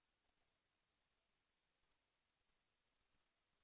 แสวได้ไงของเราก็เชียนนักอยู่ค่ะเป็นผู้ร่วมงานที่ดีมาก